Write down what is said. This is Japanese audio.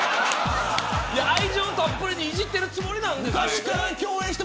愛情たっぷりにいじっているつもりなんですけどね。